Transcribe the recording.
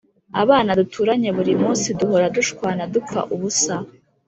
abana duturanye burimunsi duhora dushwana dupfa ubusa